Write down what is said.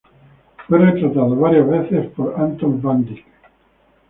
Fue retratado varias veces por Anton van Dyck.